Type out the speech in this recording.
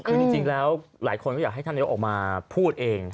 คือจริงแล้วหลายคนก็อยากให้ท่านนายกออกมาพูดเอง